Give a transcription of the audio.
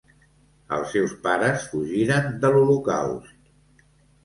Els seus pares fugiren de l'holocaust.